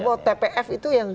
tepok tpf itu yang